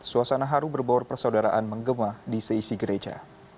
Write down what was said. suasana haru berbaur persaudaraan menggema di seisi gereja